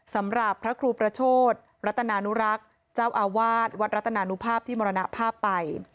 สำหรับพระครูประโชธรัตนานุรักษ์เจ้าอาวาสวัดรัตนานุภาพที่มรณภาพไป